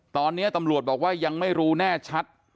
ตอนนี้ตำรวจบอกว่ายังไม่รู้แน่ชัด